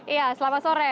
iya selamat sore